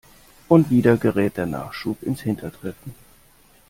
Und wieder gerät der Nachschub ins Hintertreffen.